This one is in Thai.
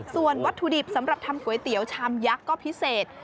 ส่วนวัตถุดิบสำหรับทำก๋วยเตี๋ยวชามยักษ์ก็พิเศษ